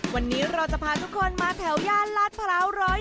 วันนี้เราจะพาทุกคนมาแถวย่านลาดพร้าว๑๐๑